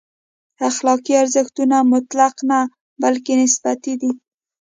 اخلاقي ارزښتونه مطلق نه، بلکې نسبي دي.